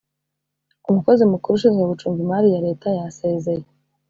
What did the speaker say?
umukozimukuru ushinzwe gucunga imari yaleta yasezeye